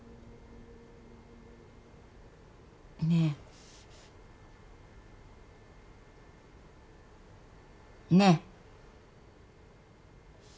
ねえ。ねえ。